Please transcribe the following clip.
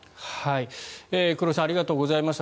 黒井さんありがとうございました。